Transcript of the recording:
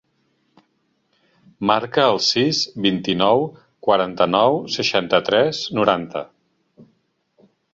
Marca el sis, vint-i-nou, quaranta-nou, seixanta-tres, noranta.